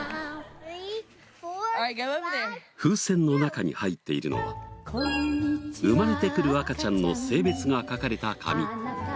風船の中に入っているのは生まれてくる赤ちゃんの性別が書かれた紙。